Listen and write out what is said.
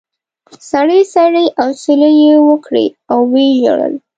سړې سړې اسوېلې یې وکړې او و یې ژړل.